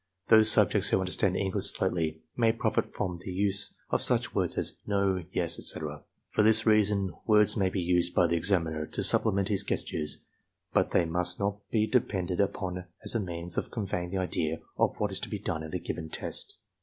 Those subjects who understand English slightly may profit by the use of such words as "no," "yes," etc. For this reason words may be used by the examiner to supplement his gestures. 94 ARMY MENTAL TESTS but they must not be depended upon as a means of conveying the idea of what is to be done in a given test.